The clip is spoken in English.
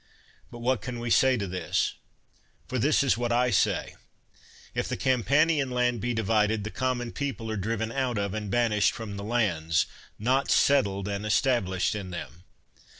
But what can we say to this ? For this is what I say, — if the Campanian land be divided, the common people are driven out of and banished from the lands, not settled and es tablished in them.